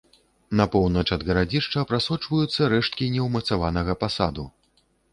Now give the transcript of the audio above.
На поўнач ад гарадзішча прасочваюцца рэшткі неўмацаванага пасаду.